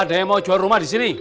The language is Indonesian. ada yang mau jual rumah di sini